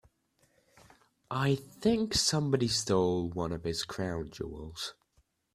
I think somebody stole one of his crown jewels.